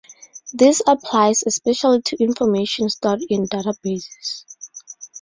This applies especially to information stored in databases.